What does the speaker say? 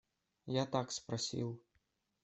Я так спросил.